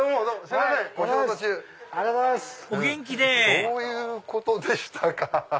そういうことでしたか！